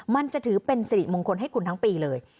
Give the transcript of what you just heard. มันจะถือเป็นสิริมงคลให้คุณทั้งปีเลย